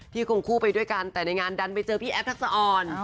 คงคู่ไปด้วยกันแต่ในงานดันไปเจอพี่แอฟทักษะอ่อน